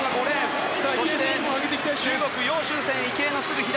中国、ヨウ・シュンセン池江のすぐ左。